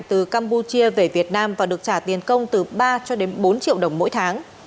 từ campuchia về việt nam và được trả tiền công từ ba cho đến bốn triệu đồng mỗi tháng